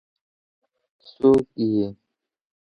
څوک يې ؟